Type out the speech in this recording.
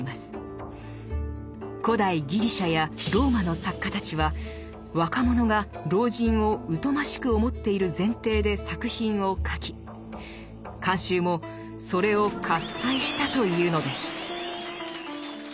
古代ギリシャやローマの作家たちは若者が老人を疎ましく思っている前提で作品を書き観衆もそれを喝采したというのです。